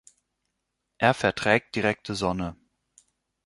Er verträgt direkte Sonne.